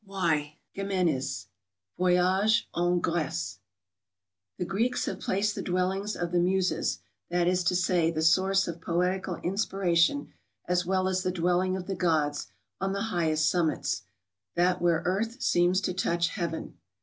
Y. Gemeniz, Voyage en Grece, The Greeks have placed the dwellings of the Muses, that is to say, the source of poetical inspira tiou, as well as the dwelling of the gods, on the highest summits,—there where earth seems to touch heaven.